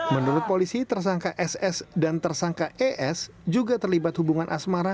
menurut polisi tersangka ss dan tersangka es juga terlibat hubungan asmara dan hidup serumah